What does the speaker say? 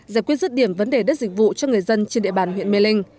giải quyết rứt điểm vấn đề đất dịch vụ cho người dân trên địa bàn huyện mê linh